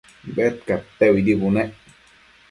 Bedcadteuidi bunec